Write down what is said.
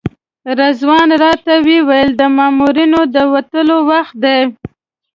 رضوان راته وویل د مامورینو د وتلو وخت دی.